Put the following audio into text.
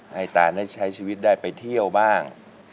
ตานได้ใช้ชีวิตได้ไปเที่ยวบ้าง